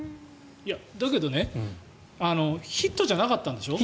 だけどヒットじゃなかったんでしょ？